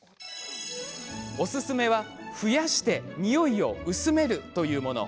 おすすめは、増やしてにおいを薄めるというもの。